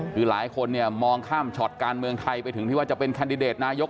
คือหลายคนเนี่ยมองข้ามช็อตการเมืองไทยไปถึงที่ว่าจะเป็นแคนดิเดตนายก